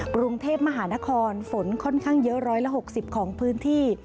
กรุงเทพมหานครฝนค่อนข้างเยอะ๑๖๐ของพื้นที่